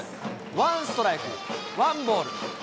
ワンストライク、ワンボール。